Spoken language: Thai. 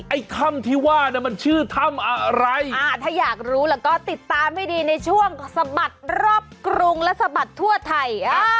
ไอ้ถ้ำที่ว่าเนี่ยมันชื่อถ้ำอะไรอ่าถ้าอยากรู้แล้วก็ติดตามให้ดีในช่วงสะบัดรอบกรุงและสะบัดทั่วไทย